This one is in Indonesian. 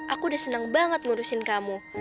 aku udah senang banget ngurusin kamu